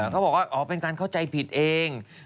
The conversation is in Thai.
เขาบอกว่าอ๋อเป็นการเข้าใจผิดเอง